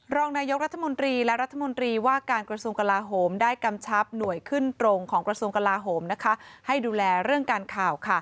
รองนายกรัฐมนตรีและรัฐมนตรีว่าการกระทรวงกลาโหมได้กำชับหน่วยขึ้นตรงของกระทรวงกลาโหมให้ดูแลเรื่องการข่าว